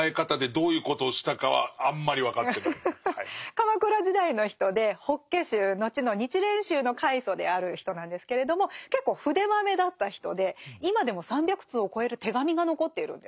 鎌倉時代の人で法華宗後の日蓮宗の開祖である人なんですけれども結構筆まめだった人で今でも３００通を超える手紙が残っているんですね。